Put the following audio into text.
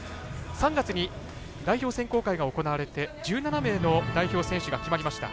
３月に代表選考会が行われて１７名の代表選手が決まりました。